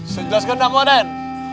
saya jelaskan dulu modern